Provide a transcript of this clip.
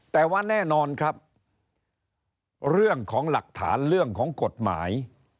แต่ว่าแน่นอนครับเรื่องของหลักฐานเรื่องของกฎหมาย